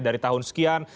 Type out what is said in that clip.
dari tahun sekian